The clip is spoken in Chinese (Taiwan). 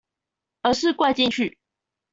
而是灌進去